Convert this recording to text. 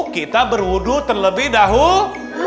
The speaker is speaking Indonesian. kita berhudu terlebih dahulu